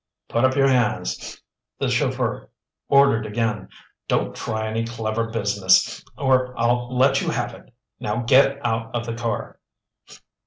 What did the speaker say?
"Put up your hands," the chauffeur ordered again. "Don't try any clever business or I'll let you have it! Now get out of the car!"